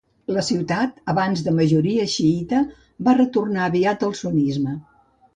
La ciutat, abans de majoria xiïta, va retornar aviat al sunnisme.